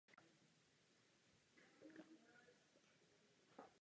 Číslování silnic není náhodné.